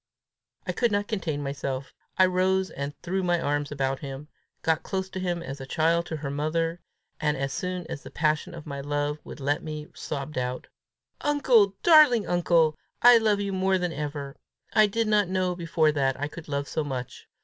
I could not contain myself. I rose and threw my arms about him, got close to him as a child to her mother, and, as soon as the passion of my love would let me, sobbed out, "Uncle! darling uncle! I love you more than ever! I did not know before that I could love so much!